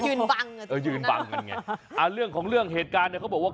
บังกันเออยืนบังกันไงอ่าเรื่องของเรื่องเหตุการณ์เนี่ยเขาบอกว่า